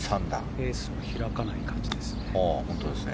フェースは開かない感じですね。